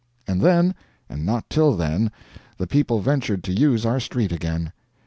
And then, and not till then, the people ventured to use our street again.